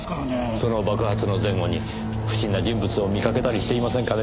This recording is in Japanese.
その爆発の前後に不審な人物を見かけたりしていませんかね？